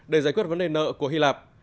để giải quyết vấn đề nợ của hy lạp